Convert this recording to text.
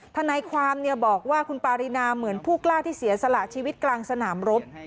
ทนายความบอกว่าคุณปารีนาเหมือนผู้กล้าที่เสียสละชีวิตกลางสนามรบ